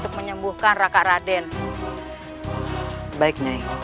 tuhan yang terbaik